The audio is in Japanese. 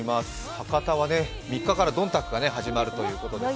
博多は３日から、どんたくが始まるということです。